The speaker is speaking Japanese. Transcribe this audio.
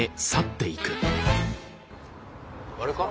あれか？